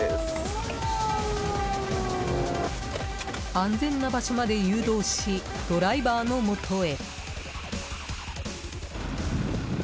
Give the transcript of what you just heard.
安全な場所まで誘導しドライバーのもとへ。